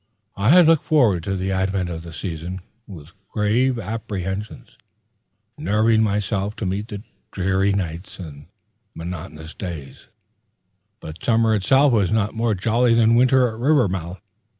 I had looked forward to the advent of the season with grave apprehensions, nerving myself to meet dreary nights and monotonous days; but summer itself was not more jolly than winter at Rivermouth.